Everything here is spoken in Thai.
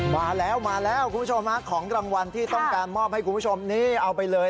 มาแล้วมาแล้วคุณผู้ชมฮะของรางวัลที่ต้องการมอบให้คุณผู้ชมนี้เอาไปเลย